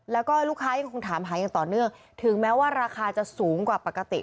แล้วก็ลูกค้ายังคงถามหาอย่างต่อเนื่องถึงแม้ว่าราคาจะสูงกว่าปกติ